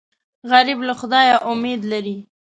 غریب له خدایه امید لري